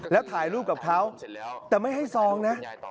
แล้วถ่ายรูปกับเขาแต่ไม่ให้ซองนะ